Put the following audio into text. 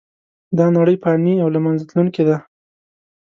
دا نړۍ فانې او له منځه تلونکې ده .